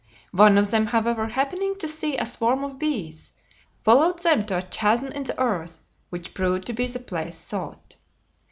One of them, however, happening to see a swarm of bees, followed them to a chasm in the earth, which proved to be the place sought.